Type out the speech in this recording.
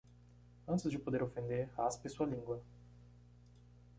Antes de poder ofender, raspe sua língua.